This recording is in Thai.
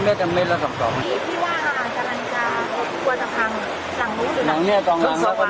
มื้อเกราะสองโดยของภาพและจะนัดประกอบ